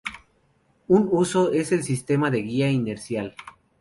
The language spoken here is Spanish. Un uso es en el sistema de guía inercial.